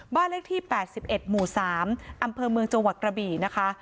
บ้านเลขที่๘๑หมู่๓อำเภอเมืองจังหวัดกระบี่นะคะ